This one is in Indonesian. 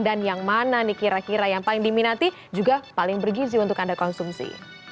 dan yang mana nih kira kira yang paling diminati juga paling bergizi untuk anda konsumsi